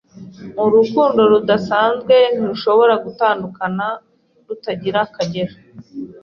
urukundo rudasanzwe, ntirushobora gutandukana, rutagira akagero.